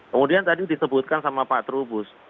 kemudian tadi disebutkan sama pak trubus